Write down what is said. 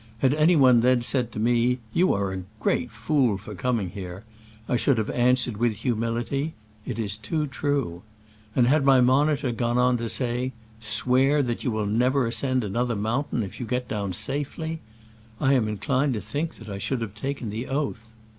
Had any one then said to me, "You are a great fool for coming here," I should have answered with humility, " It is too true." And had my monitor gone on to say, " Swear you will never ascend an other mountain if you get down safely," I am inclined to think I should have taken the oath.